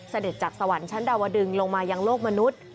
เสด็จจากสวรรค์ชั้นดาวดึงลงมายังโลกมนุษย์